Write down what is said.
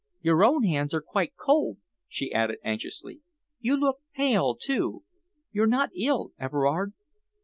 Your own hands are quite cold," she added anxiously. "You look pale, too. You're not ill, Everard?"